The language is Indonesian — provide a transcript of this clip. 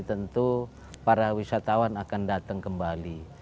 tentu para wisatawan akan datang kembali